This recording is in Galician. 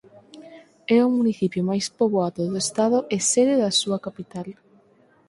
É o municipio máis poboado do estado e sede da súa capital.